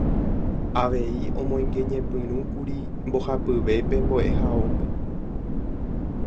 Avei omoingeñepyrũkuri mbohapyvépe mbo'ehaópe.